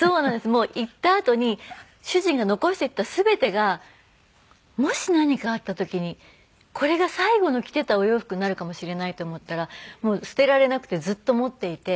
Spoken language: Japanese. もう行ったあとに主人が残していった全てがもし何かあった時にこれが最後の着ていたお洋服になるかもしれないと思ったら捨てられなくてずっと持っていて。